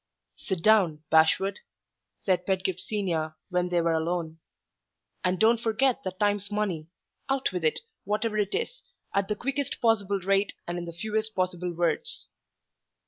"Sit down, Bashwood," said Pedgift Senior when they were alone. "And don't forget that time's money. Out with it, whatever it is, at the quickest possible rate, and in the fewest possible words."